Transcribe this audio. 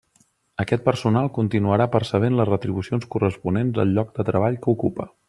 Aquest personal continuarà percebent les retribucions corresponents al lloc de treball que ocupa.